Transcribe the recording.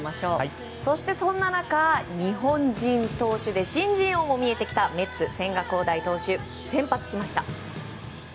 そんな中日本人投手で新人王も見えてきたメッツ、千賀滉大投手先発しました。